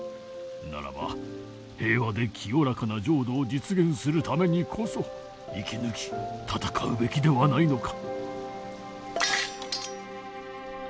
ならば平和で清らかな浄土を実現するためにこそ生き抜き戦うべきではないのか？